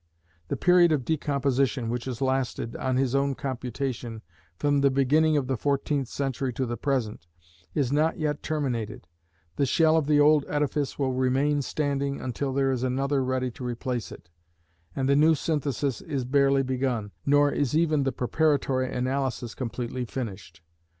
The period of decomposition, which has lasted, on his own computation, from the beginning of the fourteenth century to the present, is not yet terminated: the shell of the old edifice will remain standing until there is another ready to replace it; and the new synthesis is barely begun, nor is even the preparatory analysis completely finished.